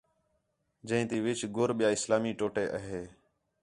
جئیں تی وِچ گُر ٻِیا اِسلامی ٹوٹے آ ہے